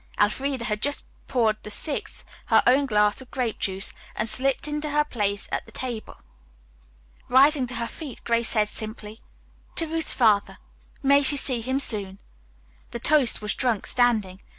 Elfreda had just poured the sixth, her own glass of grape juice, and slipped into her place at the table. Rising to her feet Grace said simply, "To Ruth's father. May she see him soon." The toast was drunk standing.